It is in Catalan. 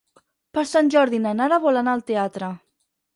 Per Sant Jordi na Nara vol anar al teatre.